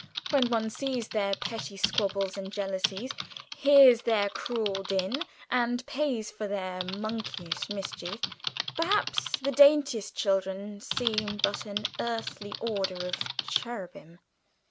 When one sees their petty squabbles and jealousies, hears their cruel din, and pays for their monkeyish mischief, perhaps the daintiest children seem but an earthly order of cherubim.